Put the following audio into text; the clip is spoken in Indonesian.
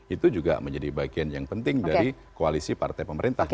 itu juga menjadi bagian yang penting dari koalisi partai pemerintah